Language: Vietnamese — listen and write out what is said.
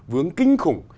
vướng kinh khủng